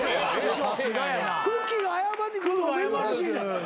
くっきー！が謝りに来るの珍しい。